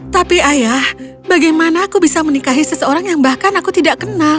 tapi ayah bagaimana aku bisa menikahi seseorang yang bahkan aku tidak kenal